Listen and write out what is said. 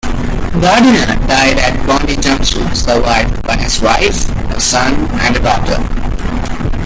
Gardiner died at Bondi Junction, survived by his wife, a son and a daughter.